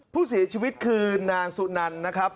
แต่ตอนนี้ติดต่อน้องไม่ได้